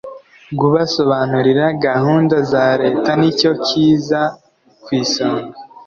Gubasobanurira gahunda za Leta nicyo kiza kw isonga